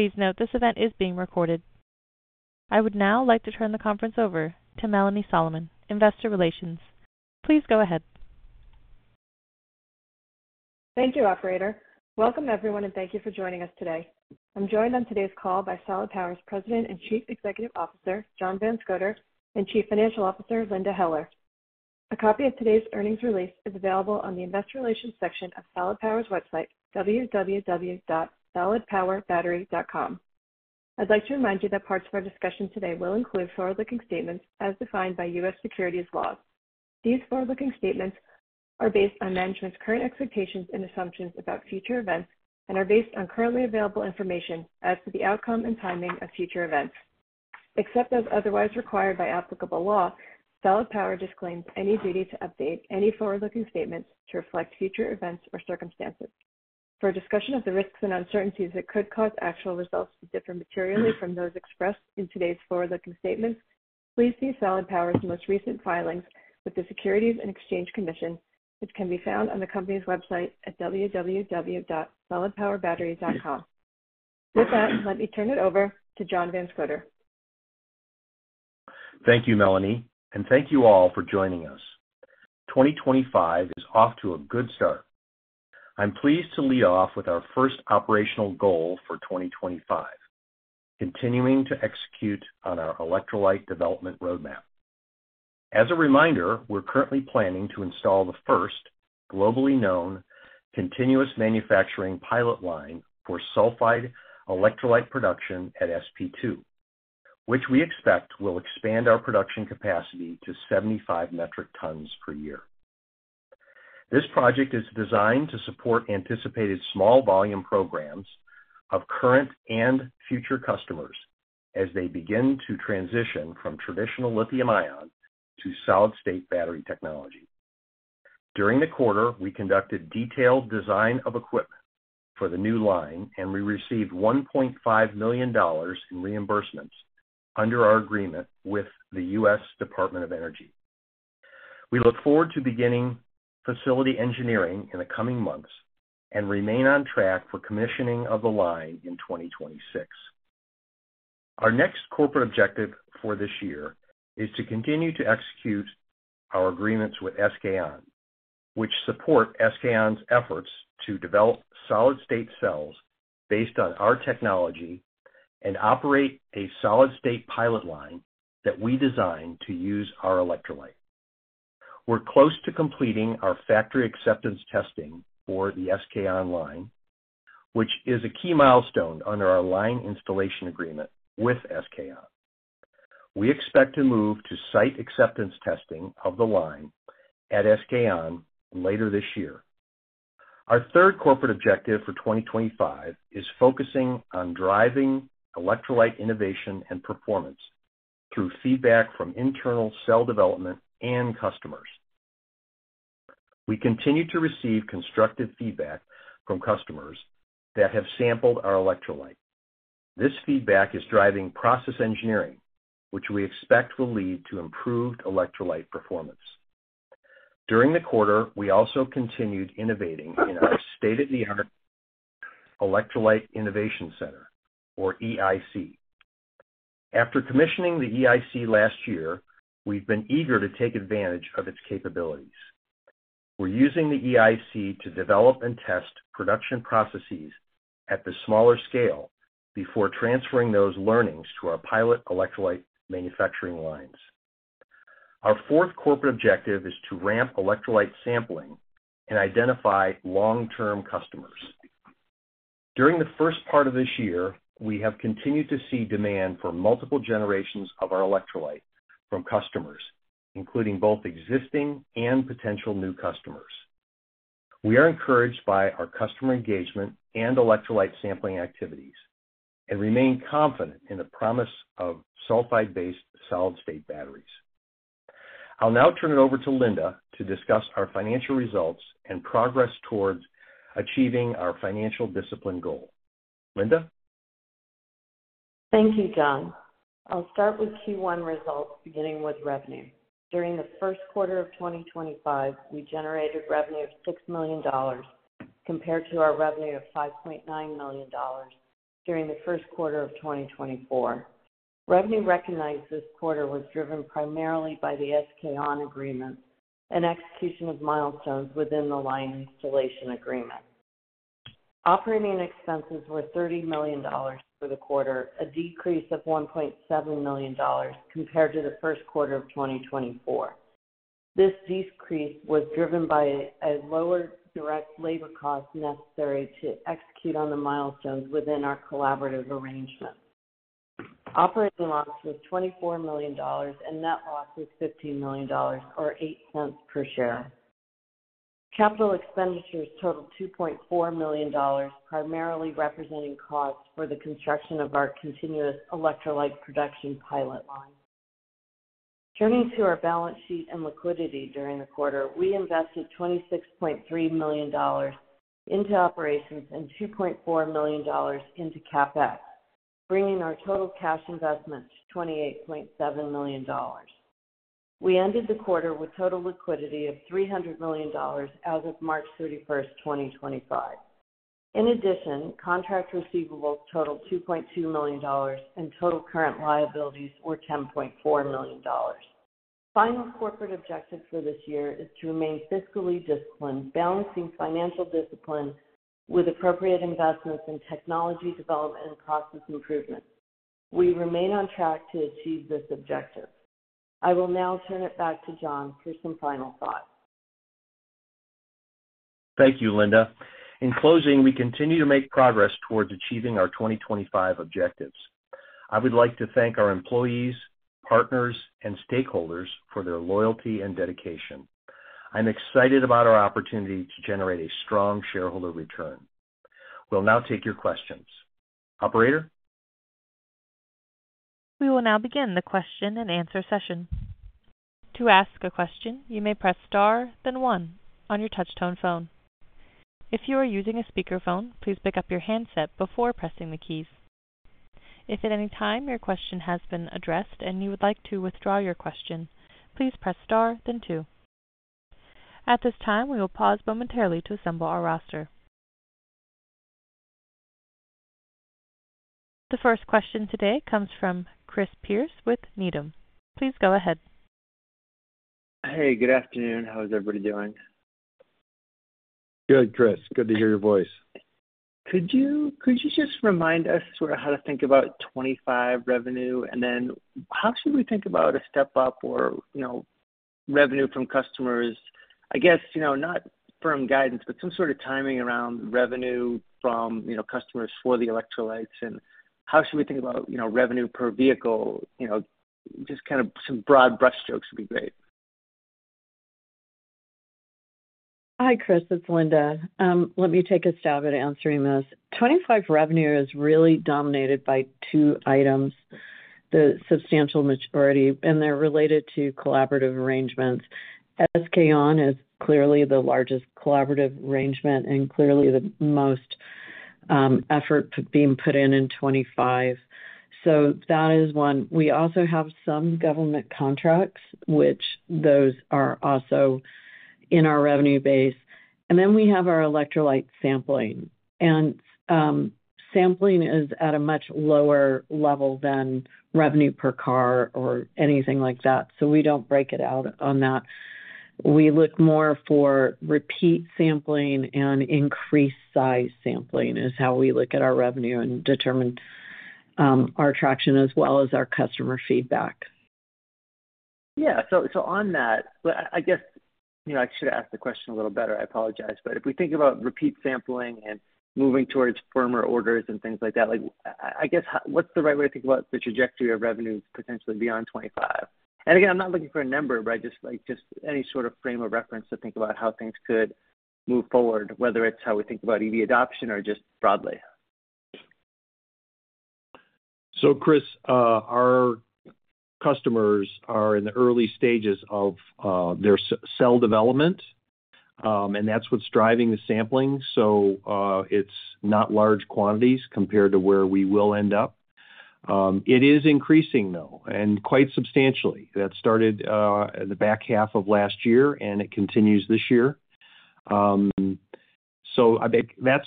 Please note this event is being recorded. I would now like to turn the conference over to Melanie Solomon, Investor Relations. Please go ahead. Thank you, Operator. Welcome, everyone, and thank you for joining us today. I'm joined on today's call by Solid Power's President and Chief Executive Officer, John Van Scoter, and Chief Financial Officer, Linda Heller. A copy of today's earnings release is available on the Investor Relations section of Solid Power's website, www.solidpowerbattery.com. I'd like to remind you that parts of our discussion today will include forward-looking statements as defined by U.S. securities law. These forward-looking statements are based on management's current expectations and assumptions about future events and are based on currently available information as to the outcome and timing of future events. Except as otherwise required by applicable law, Solid Power disclaims any duty to update any forward-looking statements to reflect future events or circumstances. For a discussion of the risks and uncertainties that could cause actual results to differ materially from those expressed in today's forward-looking statements, please see Solid Power's most recent filings with the Securities and Exchange Commission, which can be found on the company's website at www.solidpowerbattery.com. With that, let me turn it over to John Van Scoter. Thank you, Melanie, and thank you all for joining us. 2025 is off to a good start. I'm pleased to lead off with our first operational goal for 2025: continuing to execute on our electrolyte development roadmap. As a reminder, we're currently planning to install the first globally known continuous manufacturing pilot line for sulfide electrolyte production at SP2, which we expect will expand our production capacity to 75 metric tons per year. This project is designed to support anticipated small-volume programs of current and future customers as they begin to transition from traditional lithium-ion to solid-state battery technology. During the quarter, we conducted detailed design of equipment for the new line, and we received $1.5 million in reimbursements under our agreement with the U.S. Department of Energy. We look forward to beginning facility engineering in the coming months and remain on track for commissioning of the line in 2026. Our next corporate objective for this year is to continue to execute our agreements with SK On, which support SK On's efforts to develop solid-state cells based on our technology and operate a solid-state pilot line that we designed to use our electrolyte. We're close to completing our factory acceptance testing for the SK On line, which is a key milestone under our line installation agreement with SK On. We expect to move to site acceptance testing of the line at SK On later this year. Our third corporate objective for 2025 is focusing on driving electrolyte innovation and performance through feedback from internal cell development and customers. We continue to receive constructive feedback from customers that have sampled our electrolyte. This feedback is driving process engineering, which we expect will lead to improved electrolyte performance. During the quarter, we also continued innovating in our state-of-the-art Electrolyte Innovation Center, or EIC. After commissioning the EIC last year, we've been eager to take advantage of its capabilities. We're using the EIC to develop and test production processes at the smaller scale before transferring those learnings to our pilot electrolyte manufacturing lines. Our fourth corporate objective is to ramp electrolyte sampling and identify long-term customers. During the first part of this year, we have continued to see demand for multiple generations of our electrolyte from customers, including both existing and potential new customers. We are encouraged by our customer engagement and electrolyte sampling activities and remain confident in the promise of sulfide-based solid-state batteries. I'll now turn it over to Linda to discuss our financial results and progress towards achieving our financial discipline goal. Linda? Thank you, John. I'll start with Q1 results, beginning with revenue. During the first quarter of 2025, we generated revenue of $6 million compared to our revenue of $5.9 million during the first quarter of 2024. Revenue recognized this quarter was driven primarily by the SK On agreement and execution of milestones within the line installation agreement. Operating expenses were $30 million for the quarter, a decrease of $1.7 million compared to the first quarter of 2024. This decrease was driven by a lower direct labor cost necessary to execute on the milestones within our collaborative arrangement. Operating loss was $24 million and net loss was $15 million, or $0.08 per share. Capital expenditures totaled $2.4 million, primarily representing costs for the construction of our continuous electrolyte production pilot line. Turning to our balance sheet and liquidity during the quarter, we invested $26.3 million into operations and $2.4 million into CapEx, bringing our total cash investment to $28.7 million. We ended the quarter with total liquidity of $300 million as of March 31, 2025. In addition, contract receivables totaled $2.2 million and total current liabilities were $10.4 million. Final corporate objective for this year is to remain fiscally disciplined, balancing financial discipline with appropriate investments in technology development and process improvement. We remain on track to achieve this objective. I will now turn it back to John for some final thoughts. Thank you, Linda. In closing, we continue to make progress towards achieving our 2025 objectives. I would like to thank our employees, partners, and stakeholders for their loyalty and dedication. I'm excited about our opportunity to generate a strong shareholder return. We'll now take your questions. Operator? We will now begin the question-and-answer session. To ask a question, you may press star, then one on your touch-tone phone. If you are using a speakerphone, please pick up your handset before pressing the keys. If at any time your question has been addressed and you would like to withdraw your question, please press star, then two. At this time, we will pause momentarily to assemble our roster. The first question today comes from Chris Pierce with Needham. Please go ahead. Hey, good afternoon. How is everybody doing? Good, Chris. Good to hear your voice. Could you just remind us how to think about 2025 revenue? Then how should we think about a step-up or revenue from customers? I guess not firm guidance, but some sort of timing around revenue from customers for the electrolytes. How should we think about revenue per vehicle? Just kind of some broad brushstrokes would be great. Hi, Chris. It's Linda. Let me take a stab at answering this. 2025 revenue is really dominated by two items, the substantial majority, and they're related to collaborative arrangements. SK On is clearly the largest collaborative arrangement and clearly the most effort being put in in 2025. That is one. We also have some government contracts, which those are also in our revenue base. We have our electrolyte sampling. Sampling is at a much lower level than revenue per car or anything like that, so we don't break it out on that. We look more for repeat sampling and increased size sampling is how we look at our revenue and determine our traction as well as our customer feedback. Yeah. On that, I guess I should have asked the question a little better. I apologize. If we think about repeat sampling and moving towards firmer orders and things like that, I guess what's the right way to think about the trajectory of revenues potentially beyond 2025? Again, I'm not looking for a number, but just any sort of frame of reference to think about how things could move forward, whether it's how we think about EV adoption or just broadly. Chris, our customers are in the early stages of their cell development, and that's what's driving the sampling. It's not large quantities compared to where we will end up. It is increasing, though, and quite substantially. That started in the back half of last year, and it continues this year. That's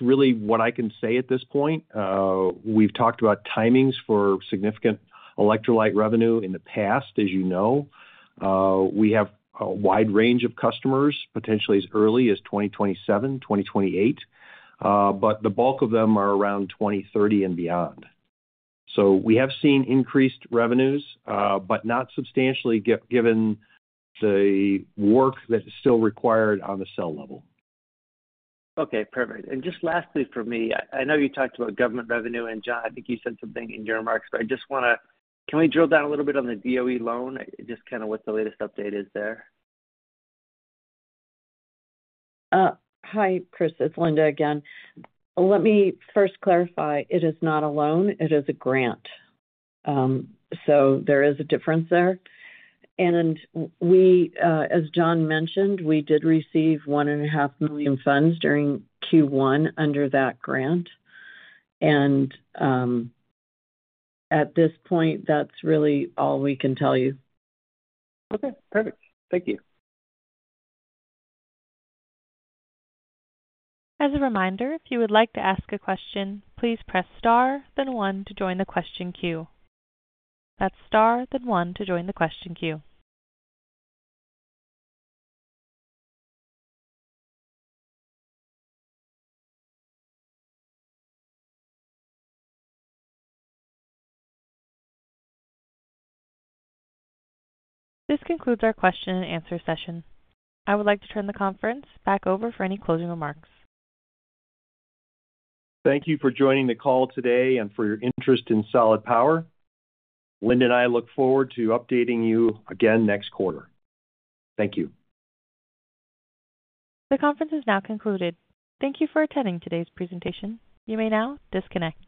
really what I can say at this point. We've talked about timings for significant electrolyte revenue in the past, as you know. We have a wide range of customers, potentially as early as 2027, 2028, but the bulk of them are around 2030 and beyond. We have seen increased revenues, but not substantially given the work that is still required on the cell level. Okay. Perfect. And just lastly for me, I know you talked about government revenue, and John, I think you said something in your remarks, but I just want to—can we drill down a little bit on the DOE loan, just kind of what the latest update is there? Hi, Chris. It's Linda again. Let me first clarify. It is not a loan. It is a grant. There is a difference there. As John mentioned, we did receive $1.5 million funds during Q1 under that grant. At this point, that's really all we can tell you. Okay. Perfect. Thank you. As a reminder, if you would like to ask a question, please press star, then one to join the question queue. That's star, then one to join the question queue. This concludes our question-and-answer session. I would like to turn the conference back over for any closing remarks. Thank you for joining the call today and for your interest in Solid Power. Linda and I look forward to updating you again next quarter. Thank you. The conference is now concluded. Thank you for attending today's presentation. You may now disconnect.